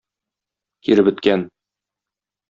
Киребеткән.